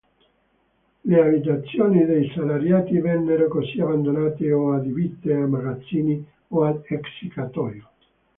Le abitazioni dei salariati vennero così abbandonate o adibite a magazzini o ad essiccatoio.